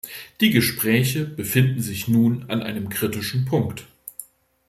Die Gespräche befinden sich nun an einem kritischen Punkt.